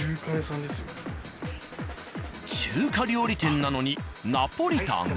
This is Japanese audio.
中華料理店なのにナポリタン？